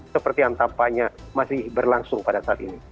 seperti yang tampaknya masih berlangsung pada saat ini